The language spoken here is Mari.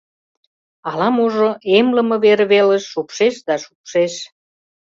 Ала-можо эмлыме вер велыш шупшеш да шупшеш...